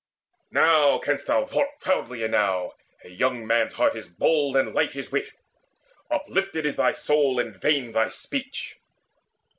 Now canst thou vaunt Proudly enow: a young man's heart is bold And light his wit. Uplifted is thy soul And vain thy speech.